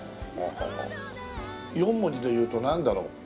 ４文字で言うとなんだろう？